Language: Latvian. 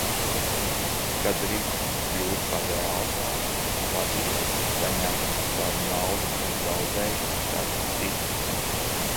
Kad riski kļūst par realitāti, vadība ir saņēmusi savu naudu, un zaudējumus sedz citi.